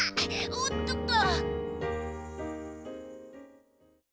おっとっと！